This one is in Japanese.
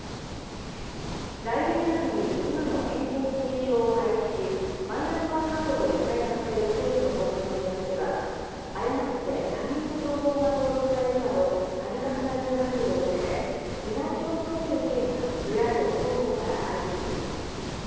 来年秋に今の健康保険証を廃止し、マイナンバーカードと一体化させる政府の方針を巡っては、誤って他人の情報が登録されるなど、たび重なるトラブルを受けて、見直しを求める意見が、与野党双方から相次いでいます。